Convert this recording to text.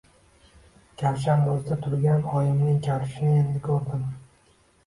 Kavshandozda turgan oyimning kalishini endi ko‘rdim.